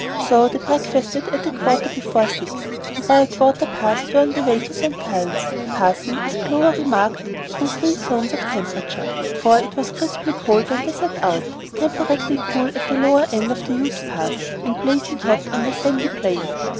So they breakfasted at a quarter before six, and by a quarter past were on their way to St. Helen's, passing, as Clover remarked, through three zones of temperature; for it was crisply cold when they set out, temperately cool at the lower end of the Ute Pass, and blazing hot on the sandy plain.